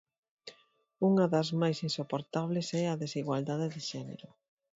Unha das mais insoportables é a desigualdade de xénero.